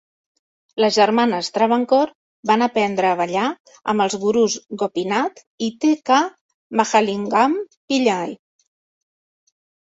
Les germanes Travancore van aprendre a ballar amb els gurus Gopinath i T. K. Mahalingam Pillai.